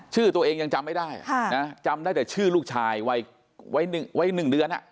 ชื่อตัวเองยังจำไม่ได้จำได้แต่ชื่อลูกชายไว้๑เดือน